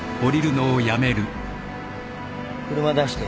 車出して。